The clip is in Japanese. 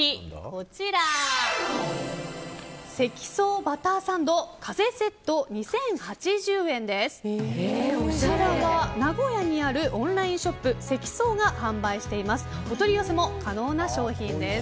こちらは名古屋にあるオンラインショップ、積奏が販売しています。